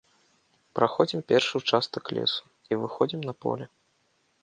Праходзім першы ўчастак лесу, і выходзім на поле.